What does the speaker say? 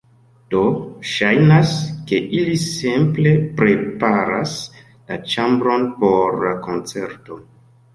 Do, ŝajnas, ke ili simple preparas la ĉambron por la koncerto